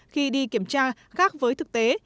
khi đi kiểm tra khác với thực tế